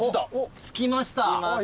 着きました。